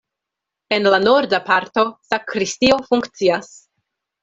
En la norda parto sakristio funkcias.